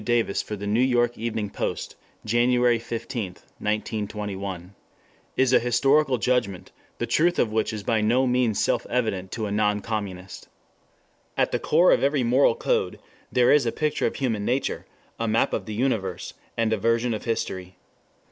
Davis for the New York Evening Post, January 15, 1921.] is an historical judgment, the truth of which is by no means self evident to a non communist. At the core of every moral code there is a picture of human nature, a map of the universe, and a version of history.